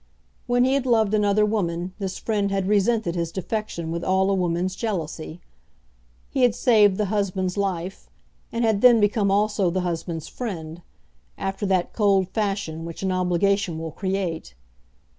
When he had loved another woman this friend had resented his defection with all a woman's jealousy. He had saved the husband's life, and had then become also the husband's friend, after that cold fashion which an obligation will create.